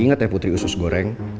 inget yah putri usus goreng